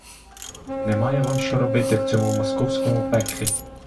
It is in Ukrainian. Немає вам що робити в цьому московському пеклі.